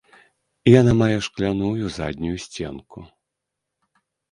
Яна мае шкляную заднюю сценку.